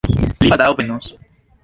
Li baldaŭ venos.